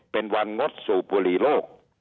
เป็นวันงดสูบบุหรี่โลก